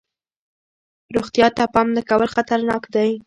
روغتیا ته پام نه کول خطرناک دی.